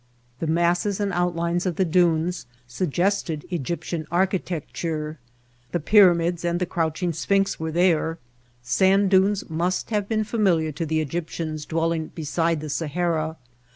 The masses and outlines of the dunes suggested Egyp tian architecture; the pyramids and the crouch ing sphinx were there. Sand dunes must have been familiar to the Egyptians dwelling beside the Sahara.